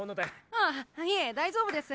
あっいえ大丈夫です。